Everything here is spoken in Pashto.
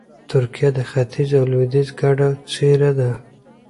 ترکیه د ختیځ او لویدیځ ګډه څېره ده.